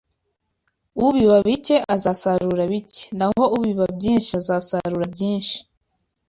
Ubiba bike, azasarura bike; naho ubiba nyinshi, azasarura byinshi